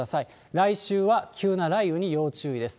来週は急な雷雨に要注意です。